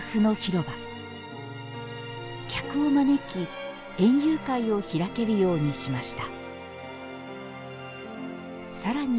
客を招き園遊会を開けるようにしました。